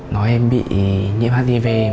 nói em bị nhiễm hdv